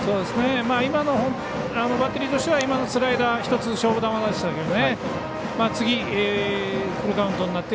今のバッテリーとしては今のスライダー１つ勝負球でしたけどね。